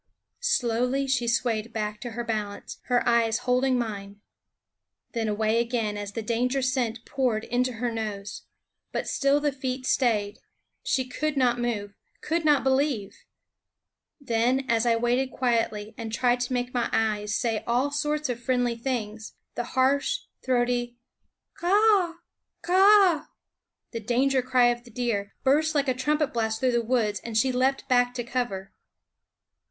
Slowly she swayed back to her bal ance, her eyes holding mine ; then away again 34 What the Fauns Know SCHOOL OF as the danger scent poured into her nose. But still the feet stayed. She could not move ; could not believe. Then, as I waited quietly and tried to make my eyes say all sorts of friendly things, the harsh, throaty K a a a h! k a a a h! the danger cry of the deer, burst like a trumpet blast through the woods, and she leaped back to cover.